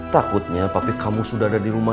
takutnya tapi kamu sudah ada di rumah